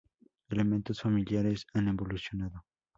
Elementos familiares han evolucionado.